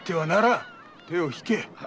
手を引け。